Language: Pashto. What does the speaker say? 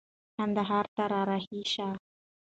کندهار ته را رهي شه.